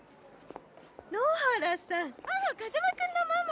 野原さん。